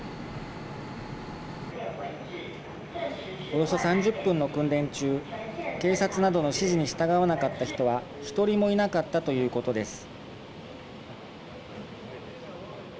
およそ３０分の訓練中警察などの指示に従わなかった人は１人もいなかったということです。